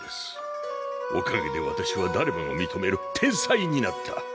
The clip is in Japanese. おかげで私は誰もが認める天才になった。